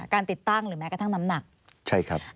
การติดตั้งหรือแม้กระทั่งน้ำหนัก